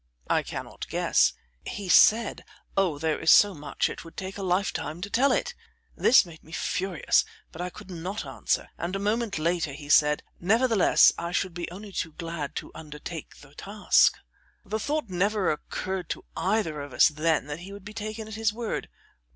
"I cannot guess." "He said: 'Oh, there is so much it would take a lifetime to tell it.' "This made me furious, but I could not answer, and a moment later he said: 'Nevertheless I should be only too glad to undertake the task.' "The thought never occurred to either of us then that he would be taken at his word.